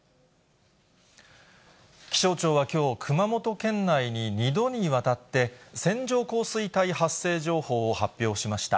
気象庁はきょう、熊本県内に２度にわたって、線状降水帯発生情報を発表しました。